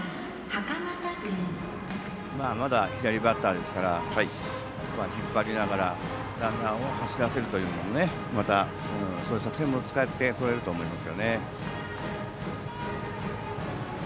まだ左バッターですから引っ張りながらランナーを走らせるというまたそういう作戦も使ってこれると思います。